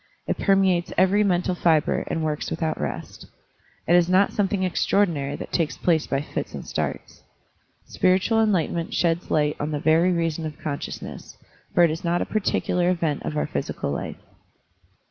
It permeates every mental fibre and works without rest. It is not something extraor dinary that takes place by fits and starts. Spiritual enlightenment sheds light on the very reason of consciousness, for it is not a particular event of our psychical life.